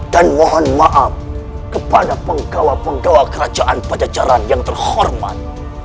dan mohon maaf kepada penggawa penggawa kerajaan pada jalan yang terhormat